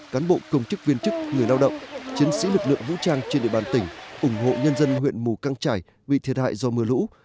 cán bộ công chức viên chức người lao động chiến sĩ lực lượng vũ trang trên địa bàn tỉnh ủng hộ nhân dân huyện mù căng trải bị thiệt hại do mưa lũ